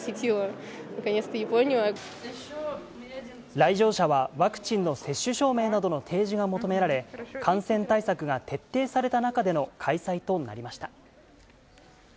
来場者はワクチンの接種証明などの提示が求められ、感染対策が徹底された中での開催となりました。